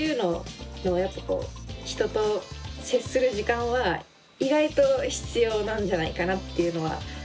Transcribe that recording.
人と接する時間は意外と必要なんじゃないかなっていうのは確かに思いました。